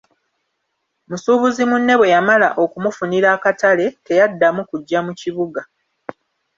Musuubuzi munne bwe yamala okumufunira akatale, teyaddamu kujja mu kibuga!